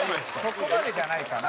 そこまでじゃないかな。